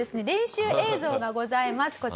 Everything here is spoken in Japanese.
練習映像がございます。